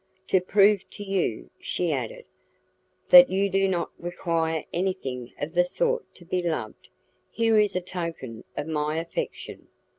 "To prove to you," she added, "that you do not require anything of the sort to be loved, here is a token of my affection."